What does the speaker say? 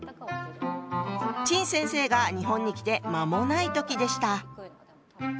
陳先生が日本に来て間もない時でした。